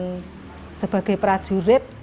kemudian sebagai prajurit